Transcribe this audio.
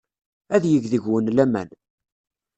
Ad yeg deg-wen laman.